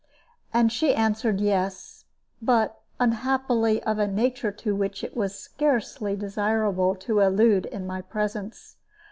And she answered yes, but unhappily of a nature to which it was scarcely desirable to allude in my presence.